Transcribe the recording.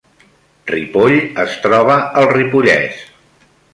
Ripoll es troba al Ripollès